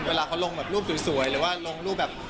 เวลาเขาลงแบบรูปสวยหรือว่าลงรูปแบบ